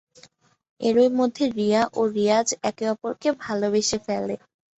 এরই মধ্যে রিয়া ও রিয়াজ একে-অপরকে ভালোবেসে ফেলে।